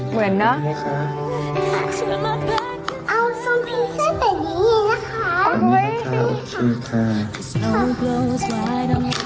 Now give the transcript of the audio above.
เหมือนเนอะ